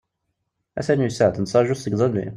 Ata yusa-d, nettṛaǧu-t seg iḍelli.